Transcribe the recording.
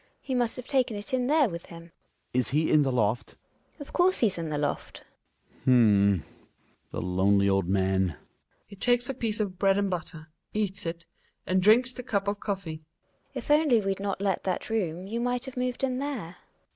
He must have taken it in there with him. Hjalmar, Is he in the loft. Gina. Of course he's in the loft. Hjalmar. H'm — the lonely old man .' ^LUC He takes a piece of bread and butter, eats it, and drinks the cup of coffee. ^^ Gina. If only we'd not let that room, you might have moved in there.